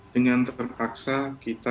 dengan terpaksa kita